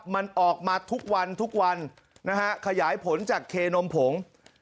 มันออกมาทุกวันทุกวันนะฮะขยายผลจากเคนมผง